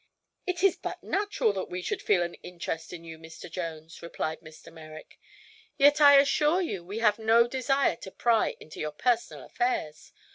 "It is but natural that we should feel an interest in you, Mr. Jones," replied Mr. Merrick; "yet I assure you we have no desire to pry into your personal affairs.